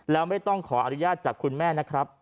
แล้วไม่ต้องขออนุญาตจากคุณแม่นะครับ